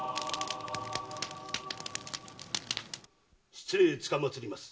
失礼つかまつります。